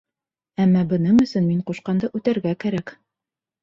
Әммә бының өсөн мин ҡушҡанды үтәргә кәрәк.